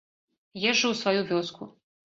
Езджу ў сваю вёску.